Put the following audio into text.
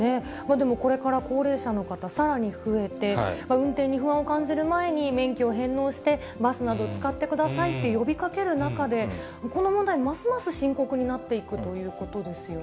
でもこれから高齢者の方、さらに増えて、運転に不安を感じる前に免許を返納して、バスなどを使ってくださいって呼びかける中で、この問題、ますます深刻になっていくということですよね。